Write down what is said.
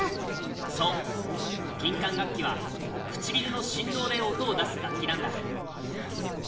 そう金管楽器は唇の振動で音を出す楽器なんだ。